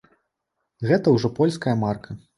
Гэта ўжо польская марка.